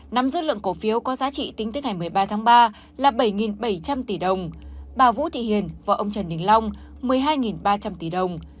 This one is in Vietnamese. nắm dư lượng cổ phiếu có giá trị tính tới ngày một mươi ba tháng ba là bảy bảy trăm linh tỷ đồng bà vũ thị hiền và ông trần đình long một mươi hai ba trăm linh tỷ đồng